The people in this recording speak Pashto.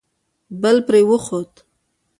بل پرې وخوت.